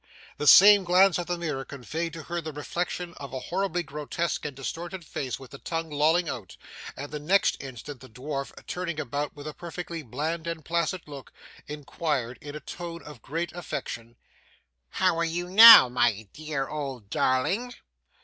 The same glance at the mirror conveyed to her the reflection of a horribly grotesque and distorted face with the tongue lolling out; and the next instant the dwarf, turning about with a perfectly bland and placid look, inquired in a tone of great affection. 'How are you now, my dear old darling?